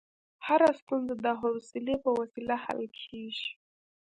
هره ستونزه د حوصلې په وسیله حل کېږي.